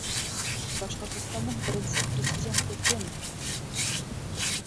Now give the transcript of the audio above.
Башҡортостандың беренсе президенты кем?